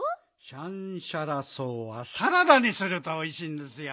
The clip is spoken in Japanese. シャンシャラ草はサラダにするとおいしいんですよ。